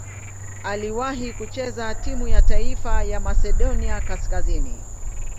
Aliwahi kucheza timu ya taifa ya Masedonia Kaskazini.